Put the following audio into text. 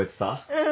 うん！